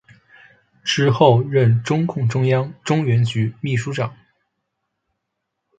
之后任中共中央中原局秘书长。